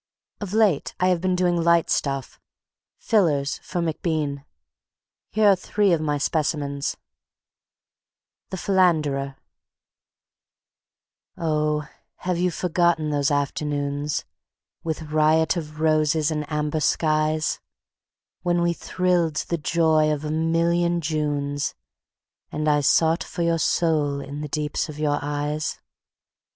Of late I have been doing light stuff, "fillers" for MacBean. Here are three of my specimens: The Philanderer Oh, have you forgotten those afternoons With riot of roses and amber skies, When we thrilled to the joy of a million Junes, And I sought for your soul in the deeps of your eyes?